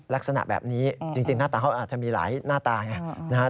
ลักษณะแบบนี้จริงหน้าตาเขาอาจจะมีหลายหน้าตาไงนะครับ